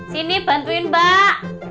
sini bantuin mbak